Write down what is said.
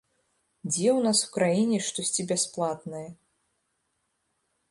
Дзе ў нас у краіне штосьці бясплатнае?